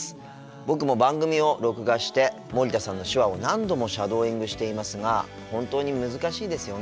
僕も番組を録画して森田さんの手話を何度もシャドーイングしていますが本当に難しいですよね。